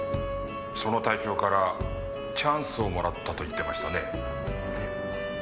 その隊長からチャンスをもらったと言ってましたね。